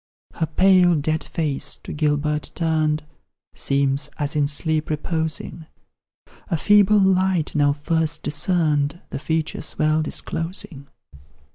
Her pale dead face, to Gilbert turned, Seems as in sleep reposing; A feeble light, now first discerned, The features well disclosing.